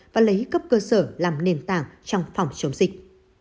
và lấy cấp cơ sở làm nền tảng trong phòng chống dịch